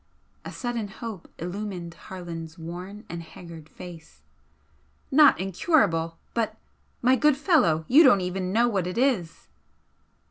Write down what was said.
A sudden hope illumined Harland's worn and haggard face. "Not incurable! But my good fellow, you don't even know what it is!"